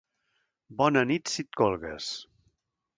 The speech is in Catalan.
Bona nit si et colgues!